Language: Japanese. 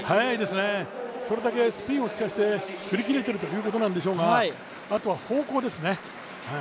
それだけ、スピンをきかして振り切れているってことなんでしょうが、あとは方向ですね。